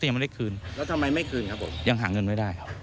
ยังไม่ได้คืนแล้วทำไมไม่คืนครับผมยังหาเงินไม่ได้ครับ